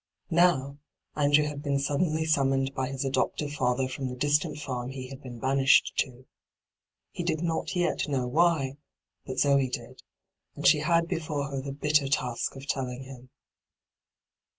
Now, Andrew had been suddenly summoned by his adoptive &ther from the distant farm he had been banished to. He did not yet know why, but Zoe did, and she had before her the bitter task of telling him.